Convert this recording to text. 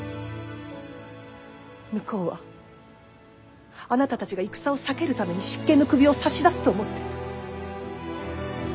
向こうはあなたたちが戦を避けるために執権の首を差し出すと思ってる。